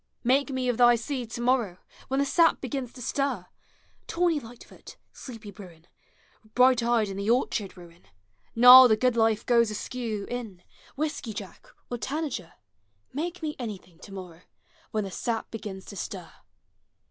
Make me of thy seed to morrow, When the sap begins to stir! Tawny light foot, sleepy bruin, Bright eyes in the orchard ruin, Gnarl the good life goes askew in, Whiskey jack, or tanager, — Make me anvthiug to morrow, When the sap begins to stir!